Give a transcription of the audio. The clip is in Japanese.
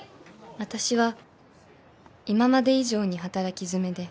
［私は今まで以上に働きづめで］